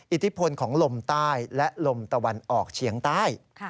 อิทธิพลของลมใต้และลมตะวันออกเฉียงใต้